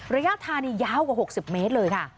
ระยะทางนี้ยาวกว่า๖๐เมตรเลยค่ะ